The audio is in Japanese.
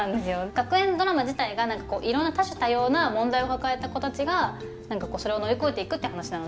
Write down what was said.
学園ドラマ自体がいろんな多種多様な問題を抱えた子たちがそれを乗り越えていくって話なので。